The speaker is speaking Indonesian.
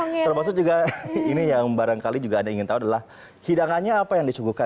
termasuk juga ini yang barangkali juga anda ingin tahu adalah hidangannya apa yang disuguhkan